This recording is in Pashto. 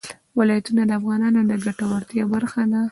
ولایتونه د افغانانو د ګټورتیا یوه برخه ده.